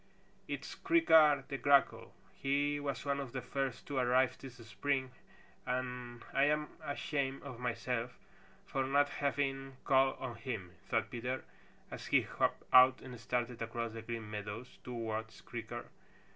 "It's Creaker the Grackle. He was one of the first to arrive this spring and I'm ashamed of myself for not having called on him," thought Peter, as he hopped out and started across the Green Meadows towards Creaker.